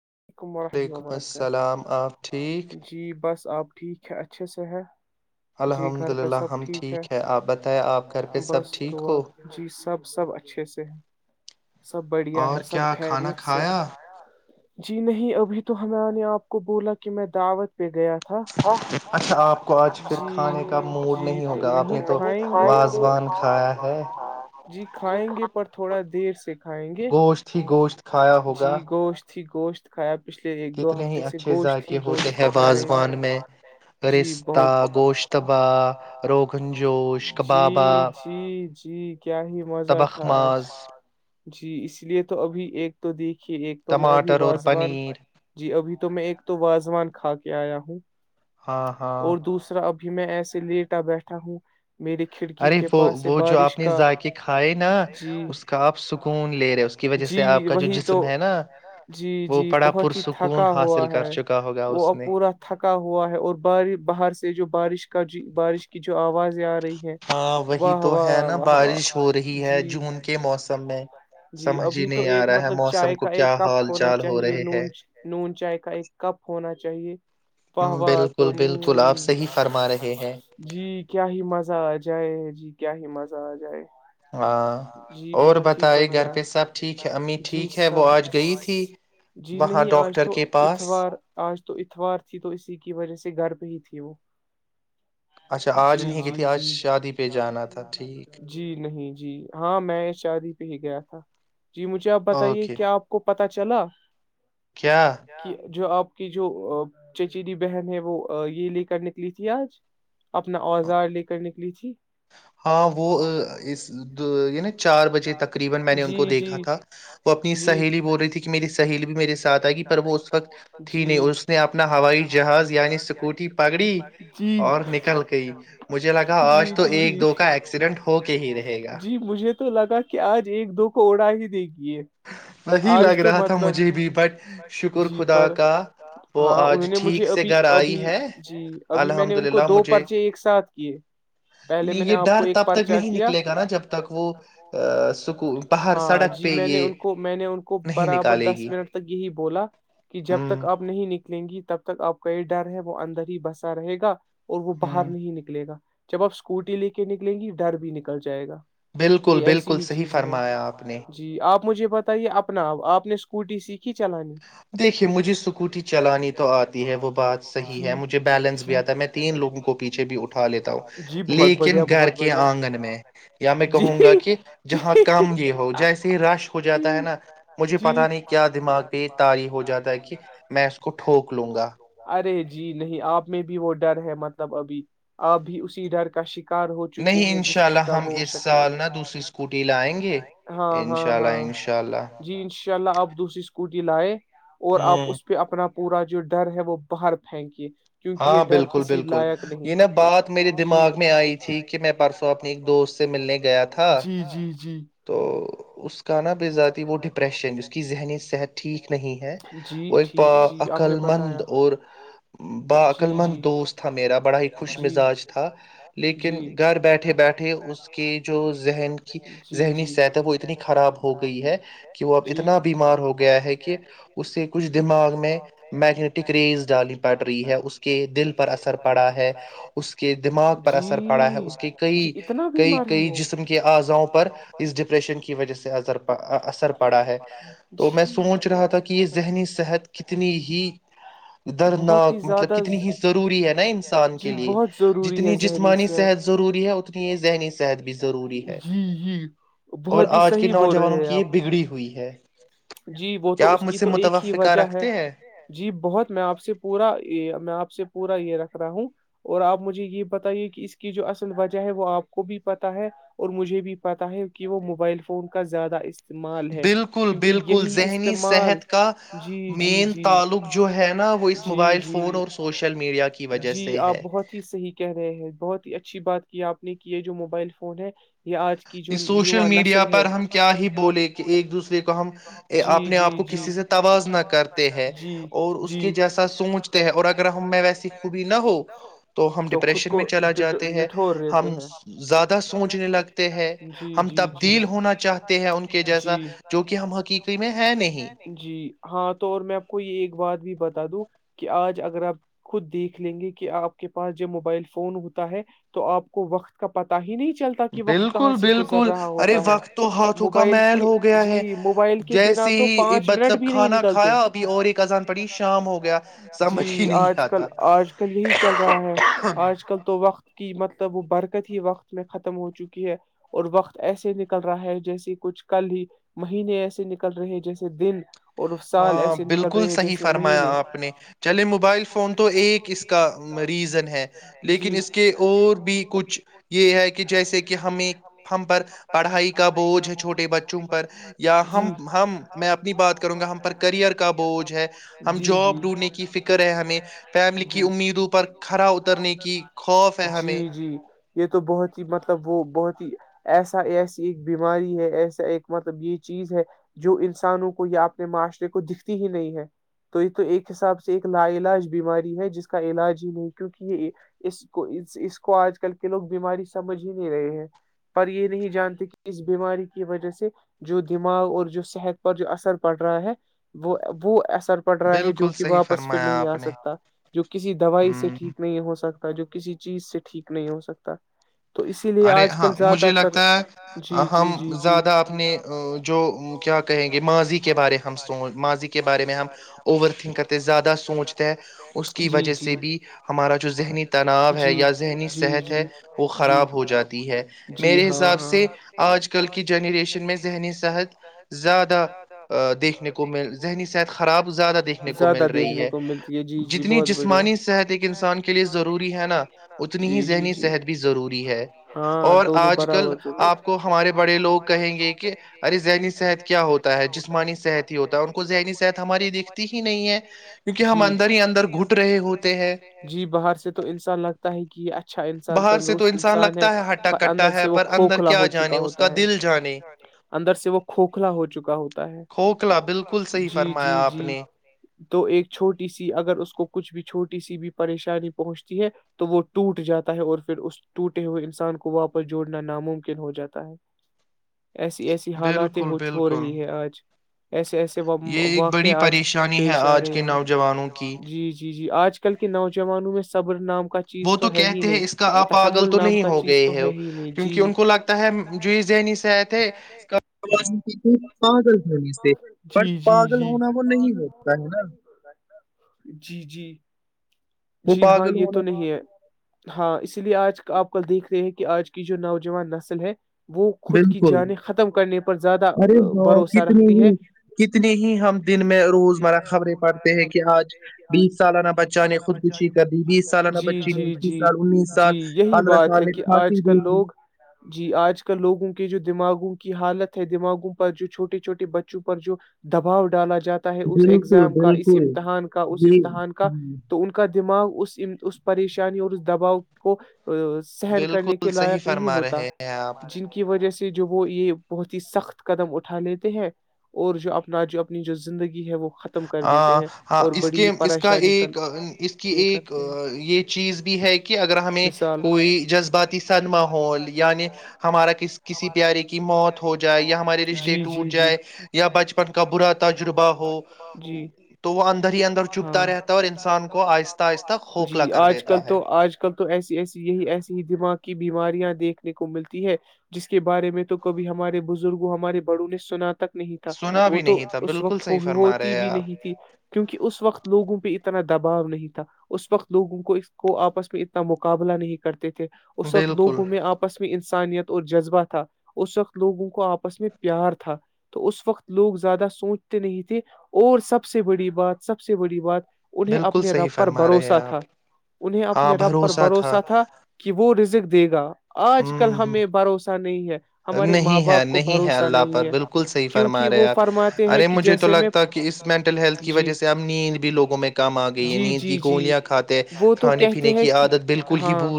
و ععلیکم السلام آپ ٹھیک ب آپ ٹھیک ہے اچھے سے ہیں الحمد للہ ہم ٹھیک ہیں آپ بتائیں آپ گھر پہ سب ٹھیک ہو سب اچھے سے ہیں سب بڑھیا ہے سب خیریت سے ہے جی نہیں ابھی تو ہم نے آپ کو بولا کہ میں دعوت اچھا آپ کو آج پھر کھانے کا موڈ نہیں ہوگا آپ نے تو وازوان کھایا ہے گوشت ہی گوشت کھایا ہوگا اچھی گوشت کھیاب کتنے ہی اچھے ذائقے ہوتے ہیں واازوان میں رستہ گوشتبہ روغن جوش کبابا تبخ ماز جی اس لیے تو ابھی ایک تو دیکھیے تو میں ابھی واازوان جی ابھی تو میں ایک تو واازوان کھا کے آیا [inaudible] اور دوسرا اب بھی میں ایسے لیٹا بیٹھا ہوں ارے وہ وہ جو آپ نے ذاق کھائے نا اس کا آپ سکون لے رہے اس کی وجہ سے آپ کا جو جسم ہے نا وہ بڑا پرسکون حاصل کر چکا ہوگا اس نے باہر سے جو بارش کا بارش کی جو آواز آ رہی ہے واہ واہ واہ واہ جی جی ابھی تو ایک مطلب چائے کا ایک کپ ہونا چاہیے ن نون چائے کا ایک کپ ہونا چاہیے واہ بات تو جی کیا ہی مزہ آ جائے جی کیا ہی مزہ آ جائے ہاں اور بتائے گھر پہ سب ٹھیک ہے امی ٹھیک ہے وہ آج گئی تھی وہاں ڈاکٹر کے پاس تو اتوار تھی تو اسی کی وجہ سے گرپ ہی تھی وہ اچھا آج نہیں کہ تھی آج شادی پہ جانا تھا ٹھیک جی ہاں میں شادی پہ ہی گیا تھا جی مجھے آپ بتائیے کیا آپ کو پتہ چلا کہ جو آپ آ کی جو چچیری بہن ہے وہ یہ لے کر نکلی تھی آج اپنا اوزار لے کر نکلی تھی ہاں وہ اس [inaudible] چار بجے تقریبا میں نے ان کو دیکھا تھا وہ اپنی سہیلی بول رہی تھی کہ میری سہیلی بھی میرے ساتھ ائے گی پر وہ اس وقت تھی نے اس نے اپنا ہوائی جہاز یعنی سکوٹی پگڑی اور نکل گئی مجھے لگا اج ایک دو کا ایکسیڈنٹ ہو کے ہی رہے گا تو لگا کہ آج ایک دو کو اڑا ہی دے گی وہی لگ رہا تھا مجھے بھی بٹ شکر خدا کا وہ آج ٹھیک سے گھر آئی ہے الحمد للہ مجھے یہ ڈر تب تک نہیں نکلے گا نا جب تک وہ ا سکو باہر سڑک پہ یہ میں نے ان کو برابر دس منٹ تک یہی بولا کہ جب تک اب نہیں نکل نکلیں گی تب تک آپ کا یہ ڈر ہے وہ اندر ہی بسا رہے گا اور وہ باہر نہیں نکلے گا جب آپ اسکوٹی لے کے نکلیں گی ڈر بھی نکل جائے گا بالکل بالکل صحیح فرمایا آپ نے مجھے بتا یہ اپنا آ آپ نے اسکوٹی سیکھی چلانی دیکھیے مجھے اسکوٹی چلانی تو آتی ہے وہ بات صحی ہے مجھے بیلنس بھی آتا ہے میں تین لوگوں کو پیچھے بھی اٹھا لیتا ہوں لیکن گھر کے آنگن میں یا میں کہوں گا کہ جہاں کام یہ ہو جیسے ہی رش ہو جاتا ہے نا مجھے پتا نہیں کیا دماغ پہ تاری ہو جاتا ہے کہ میں اس کو ٹھوک لوں گا جی نہیں آپ میں بھی وہ ڈر ہے مطلب ابھی آپ بھی اسی ڈر کا شک ش کار ہو چکے ہیں جس کا وہ شک سالنا دوسری اسکوٹی لائیں گے انشاء اللہ انشاء اللہ جیلائے اور آپ اس پہ اپنا پورا جو ڈر ہے وہ باہر پھینکیے ہاں بالکل بالکل یہ نہا بات میرے دماغ میں آئی تھی کہ میں پرسوں اپنی ایک دوست ملنے گیا تھا تو اس کانا ب اتی وہ ڈپریشن جس کی ذہنی صحت ٹھیک نہیں ہے وہ ایک ب عقللمند اور با عقللمند دوست تھا میرا بڑا ہی خوش مزاج تھا لیکن گھر بیٹھے بیٹھے اس کے جو ذہن کی ذہنی صحت ہے وہ اتنی خراب ہو گئی کہ وہ اب اتنا بیمار ہو گیا ہے کہ اسے کچھ دماغ میں میگنیٹک ریز ڈالنی پڑ رہی ہے اس کے دل پر اثر پڑا ہے اس کے دماغ پر اثر پڑا ہے اس کے کئی کئی کئی جسم کے اعضاؤں پر اس ڈپریشن کے کی وجہ سے اثر پڑا ہے تو میں سوچ رہا تھا کہ یہ ذہنی صحت کتنی ہی دردناک مطلب کتنی ہی ضروری ہے نا انسان کے لیے جتنی جسمانی صحت ضروری ہے اتنی ہی ذہنی صحت بھی ضروری ہے اور آج کے نوجوانوں کی یہ بگڑی ہوئی ہے جی وہ تو اس کی تو ایک ہی وجہ ہے جی بہت میں آپ سے پورا یہ میں آپ سے پورا یہ رکھ رہا ہوں اور آپ مجھے یہ بتے کہ اس کی جو اصل وجہ ہے وہ آپ کو بھی پتا ہے اور مجھے بھی پتا ہے کہ وہ موبائل فون کا زیادہ مال ہے کیونکہ کل ذہنی صحت کا مین تعلق جو ہے نا وہ اس موبائل فون اور سوشل میڈیا کی وجہ سے ہے ا بات کی آپ نے کی یہ جو موبائل فون ہے اس سوشل میڈیا پر ہم کیا ہی بولیں کہ ایک دوسرے کو ہم اپنے آپ کو کسی سے تواز نہ کرتے ہیں اور اس کے جیسا سوچتے ہیں اور اگر ہم ویسی خوبی نہ ہو تو ہم ڈپریشن میں چلا جاتے ہیں ہم زیادہ سوچنے لگ ہیں ہم تبدیل ہونا چاہتے ہیں ان کے جیسا جو کہ جی ہاں تو اور میں آپ کو یہ ایک بات بھی بتا دوں کہ آج اگر آپ خود دیکھ لیں گے کہ آپ کے پاس جب موبائل فون ہوتا ہے تو آپ کو وقت کا پتا ہی نہیں چل چلتا کہ وقت کہاں سے گزر رہا ہوتا ہے موبائل کی جی موبائل کے بنا تو پانچ منٹ بھی نہیں نکلتے جی آج کل آج کل یہی چل رہا ہے آج کل تو وقت کی مطلب تو وہ برکت ہی وقت میں ختم ہو چکی ہے اور وقت ایسے نکل رہا ہے جیسے کچھ کل ہی مہینے ایسے نکل رہے ہیں جیسے دن ہاں بالکل صحیح فرمایا آپ نے چلے موبائل فون تو ایک اس کا ریزن ہے لیکن اس کے اور بھی کچھ یہ ہے کہ جیسے کہ ہمیں ہم پر پڑھائی کا بوجھ ہے چھوٹے بچوں پر یا ہم ہم میں اپنی بات کروں گا ہم کرئر کا بوجھ ہے ہم جاب ڈھونڈنے کی فکر ہے ہمیں فیملی کی امیدوں پر کرا اترنے کی خوف ہے ہمیں یہ تو بہت ہی مطلب وہ بہت ہی ایسا ایسی ایک بیماری ہے ایسا ایک مطلب یہ چیز ہے جو انسانوں کو یا اپنے معاشرے کو دکھتی ہی نہیں ہے تو یہ تو ایک حساب سے ایک لا علاج بیماری ہے جس کا علاج ہی نہیں کیونکہ یہ اس کو اس کو آج کل کے لوگ بیماری سمجھ ہی نہیں رہے ہیں پر یہ نہیں جانتے کہ اس بیماری کی وجہ سے جو دماغ اور جو صحت پر جو اثر پڑ رہا ہے وہ وہ پڑ رہا ہے جو کہ واپس پھر نہیں آ سکتا جو کسی دوائی سے ٹھیک نہیں ہو سکتا جو کسی چیز سے ٹھیک نہیں ہو سکتا تو اسی لیے آج کل زیادہ تر جی جی جی جی اپنے جو کیا کہیں گے ماضی کے بارے ہم س ماضی کے بارے میں ہم اوور تھنک کرتے زیادہ سوچتے ہیں اس کی وجہ سے بھی ہمارا جو ذہنی تناؤ ہے یا ذہنی صحت ہے وہ خراب ہو جاتی ہے میرے حساب سے آج کل کی جنریشن جریشن میں ذ صت زیادہ دیکھ کو ذنی صت خراب زیادہ دیکھنے کو ملتی ہے جی جی بہت بڑیا جسمانی صحت ایک انسان کے لیے ضروری ہے نا جی جی جی ذنی صت بھی ضروری ہے اور آج کل آپ کو ہمارے بڑے لوگ کہیں گے لوگ کہیں گے کہ ارے ذ صحت کیا ہوتا ہے جسمانی صحت ہوتا ان کو ذہنی صحت ہماری دھتی ہی نہیں ہے جی ہم اندر ہی اندر گھٹ رہے ہوتے ہیں جی باہر سے تو انسان لگتا ہے کہ اچھا انسان تندرست انسان ہے اور اندر سے وہ کھوکھلا ہو چکا ہوتا ہے اندر سے وہ کھوکھلا ہو چکا ہوتا ہے جی جی جی تو ایک چھوٹی سی اگر اس کو کچھ بھی چھوٹی سی بھی پریشانی پہنچتی ہے تو وہ ٹوٹ جاتا ہے اور پھر اس ٹوٹے ہوئے انسان کو واپس جوڑنا ناممکن ہو جاتا ہے ایسی ایسی حالاتیں ہو چھ ہو رہی ہے آج ایسے ایسے واقعے آج پیش آ رہے ہیں جی جی ج جی آج کل کے نوجوانوں میں صبر نام وہ تو کہتے ہیں اس کا آ پاگل تو نہیں ہو گئے ہے کیونکہ ان کو لگتا ہے جو یہ ذہنی صحت جی جی جیل جی جی جی ہاں یہ تو نہیں ہے ہاں اسی لیے آج آپ کل دیکھ رہے ہیں کہ آج کی جو نوجوان نسل ہے بالکل ارے وہ کتنی ہی کتنی ہی ہم دن میں روزمرہ خبریں پڑھتے ہیں کہ آج بیس سالانہ بچہ نے خود جی جی جی جی یہی بات ہے کہ آج کل لوگ جی آج کل لووں کی جو دماغوں کی حالت ہے دماغوں پر جو چھوٹے چھٹے بچوں پر جو دباؤ ڈالا جاتا ہے اس ایگزام کا اس امتحان کا اس امتحان کا دماغ اس اس پریشانی اور اس دباؤ کو سحن کرنے کے لائق نہیں ہوتا جن کی وجہ سے جو وہ یہ بہت ہی سخت قدم اٹھا لیتے ہیں اور جو اپنا جو اپنی جو زندگی ہے وہ ختم کر دیتے ہیں اور بڑی ہی پریشانی کر اس کی ایک یہ چیز بھی ہے کہ اگر ہمیں کوئی جذباتی صدماحول یعنی ہمارا ک کسی پیارے کی موت ہو جائے یا ہمارے رشتے ٹوٹ جائے یا بچپن کا برا تجربہ ہو تو وہ اندر ہی اندر چھپتا رہتا ہے اور جی آج کل تو آج کل تو ایسی ایسی یہی ایسی ہی دماغ کی بیماری دیکھنے کو ملتی ہے جس کے بارے میں تو کبھی ہمارے بزرگوں ہمارے بڑوں نے سناات تک نہیں تھا وہ تو اس وقت ہوتی بھی نہیں تھی کیونکہ اس وقت لوگوں پہ اتنا دباؤ نہیں تھا اس وقت لوگوں کو اس کو آپس میں اتنا مقابلہ نہیں کرتے تھے اس وقت لوگوں میں آپس میں ان انسانیت اور جذبہ تھا اس وقت لوگوں کو آپس میں پیار تھا تو اس وقت لوگ زیادہ سوچتے نہیں تھے اور سب سے بڑی بات سب سے بڑی بات انہیں اپنے رب پر بھروسہ تھا انہیں اپنے رب پر بھروسہ تھا کہ وہ رزق دیگا آج کل ہمیں بھروسہ نہیں ہے نہیں ہے نہیں ہے اللہ پر بلکل صحیح فرما رہے آپ ارے مجھے تو لگتا ہے کہ اس مینٹل ہیلتھ کی وجہ سے آب نیند بھی لوگوں میں جی جی جی وہ تو کہتے ہیں کہ ہاں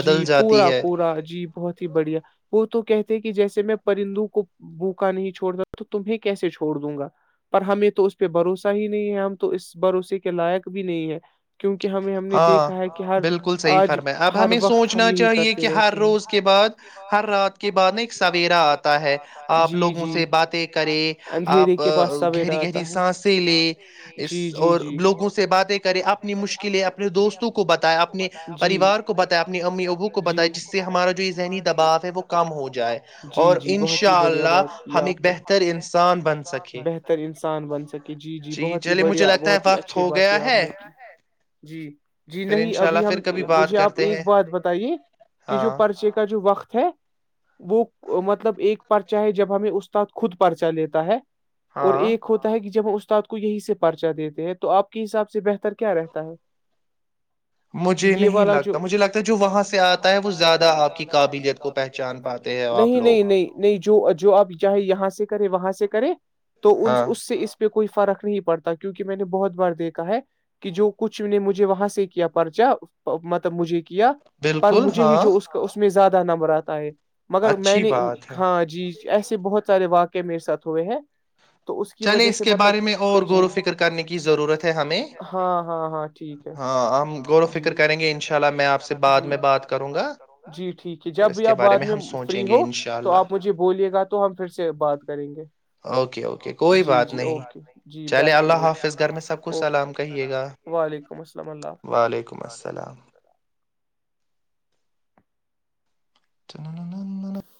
جی پورا پورا جی بہت ہی بڑھیا وہ تو کہتے کہ جیسے میں پرندو کو بھوکا نہیں چھڑتا تو تمہیں کیسے چھوڑ دوں گا پر ہمیں تو اس پہ بھروسہ ہی نہیں ہے ہم تو اس بھروسے کے لائق بھی نہیں ہے کیونک ہاں بلکل صحیح فرمایا اب ہمیں سوچنا چاہیے کہ ہر روز کے بعد ہر رات کے بعد نہ ایک سویرا آتا ہے آپ لوگوں سے باتیں کرے آپ گہری گہری سانسیں لے اس اور لوگوں سے باتیں کریں اپنی مشکلیں اپنے اپنے دوستوں کو بتایا اپنے پریوار کو بتایا اپنی امی ابو کو بتایں جس سے ہمارا جو یہ ذہنی دباؤ ہے وہ کم ہو جائے اور ان شاء اللہ ہم ایک بہتر انسان بن سکے جی بڑھیا بہت ہی اچھی باتیں اپنے کی جی جی نہیں ابھی ہم مجھے آپ ایک بات بتائیے کہ جو پرچے کا جو وقت ہے وہ مطلب ایک پرچا ہے جب ہمیں استاد خود پرچا لیتا ہے اور ایک ہوتا ہے کہ جب اس استاد کو یہی سے پرچا دیتے ہیں تو آپ کے حساب سے بہتر کیا رہتا ہے مجھے نہیں لگتا مجھے لگتا جو وہاں سے آتا ہے وہ زیادہ آپ کی قابلیت کو پہچان پاتے ہیں آپ لوگ جو جو آپ چاہے یہاں سے کریں وہاں سے کریں تو اس سے اس پہ کوئی فرق نہیں پڑتا کہ کیونکہ میں نے بہت بار دیکھا ہے کہ جو کچھ نے مجھے وہاں سے کیا پرچہ مطلب مجھے کیا پر مجھے ہی جو اس کا اس میں زیادہ نمبرہ اتا ہے مگر میں نے ہاں جی ایسے بہت سارے واقع میرے ساتھ ہوئے ہیں تو اس کی وجہ سے مطلب جی ہاں ہاں ہاں ٹھیک ہے جی جی ٹھیک ہے جب آپ بعد میں فری ہو تو آپ مجھے بولیے گا تو ہم پھر سے بات کریں گے جی جی اوکے جی بیٹھیےوک وعلیکم السلام اللہ حافظ ولیکم السلام [inaudible]